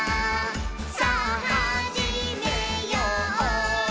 さぁはじめよう」